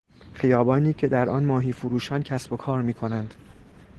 خیابانی که در آن ماهی فروشان کسب و کار میکنند.